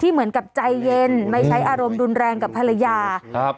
เหมือนกับใจเย็นไม่ใช้อารมณ์รุนแรงกับภรรยาครับ